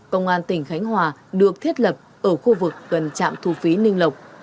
công an tỉnh khánh hòa được thiết lập ở khu vực gần trạm thu phí ninh lộc